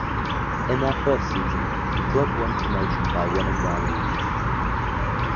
In their first season the club won promotion by winning their league.